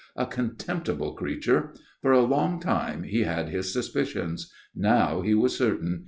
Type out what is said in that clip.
A contemptible creature. For a long time he had his suspicions. Now he was certain.